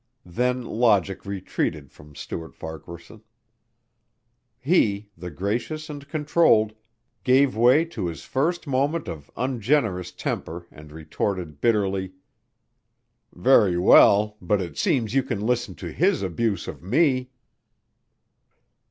Then logic retreated from Stuart Farquaharson. He, the gracious and controlled, gave way to his first moment of ungenerous temper and retorted bitterly. "Very well, but it seems you can listen to his abuse of me."